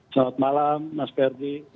selamat malam mas ferdi